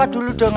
ada apaan sih